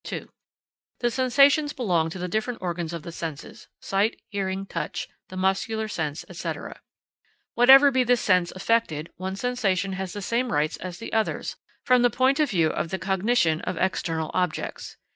2. The sensations belong to the different organs of the senses sight, hearing, touch, the muscular sense, &c. Whatever be the sense affected, one sensation has the same rights as the others, from the point of view of the cognition of external objects.